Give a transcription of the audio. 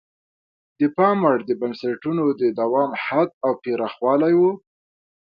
د پام وړ د بنسټونو د دوام حد او پراخوالی وو.